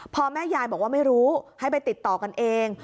พอแม่ยายบอกว่าไม่รู้ให้ไปติดต่อกันเอง